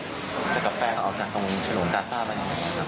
แต่กาแฟเขาเอาจากตรงฝรั่งกาซ่าไปอยู่ไหมคะ